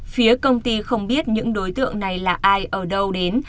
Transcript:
phía công ty không biết những đối tượng này là ai ở đâu đến